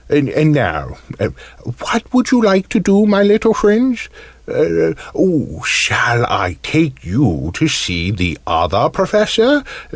And now what would you like to do, my little friends? Shall I take you to see the Other Professor?